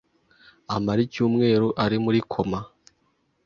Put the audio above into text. amara icyumweru ari muri koma